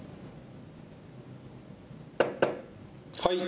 はい。